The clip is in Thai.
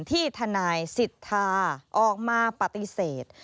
ที่ทนายสิทธาออกมาปฏิเสธ